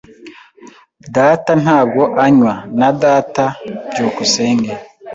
"Data ntabwo anywa." "Na data." byukusenge